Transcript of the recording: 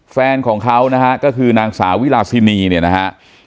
แฟนของเขานะฮะก็คือนางสาวิลาซินีเนี่ยนะฮะ